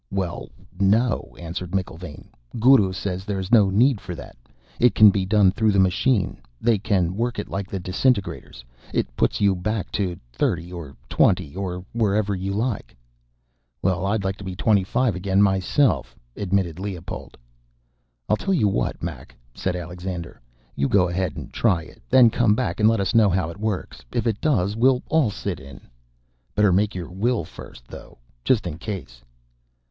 "Well, no," answered McIlvaine. "Guru says there's no need for that it can be done through the machine; they can work it like the disintegrators; it puts you back to thirty or twenty or wherever you like." "Well, I'd like to be twenty five myself again," admitted Leopold. "I'll tell you what, Mac," said Alexander. "You go ahead and try it; then come back and let us know how it works. If it does, we'll all sit in." "Better make your will first, though, just in case."